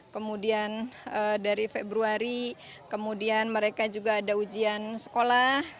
kemudian dari februari kemudian mereka juga ada ujian sekolah